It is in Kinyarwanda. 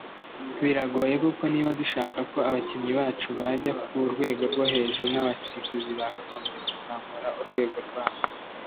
Biragoye kuko niba dushaka ko abakinnyi bacu bajya ku rwego rwo hejuru n’abasifuzi bakagombye kuzamura urwego rwabo